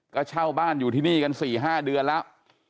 ก็เช่าบ้านอยู่ที่นี่กัน๔๕เดือนแล้ว